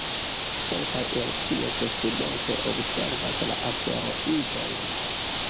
Kelkaj el ties studentoj observas la asteroidojn.